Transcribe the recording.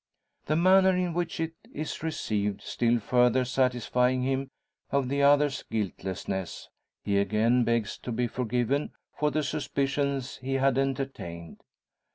The manner in which it is received still further satisfying him of the other's guiltlessness, he again begs to be forgiven for the suspicions he had entertained.